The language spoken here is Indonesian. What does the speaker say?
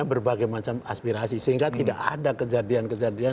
ya sehingga kalau kita bandingkan dengan negara lain kita bisa mengakomodir kejadian kejadian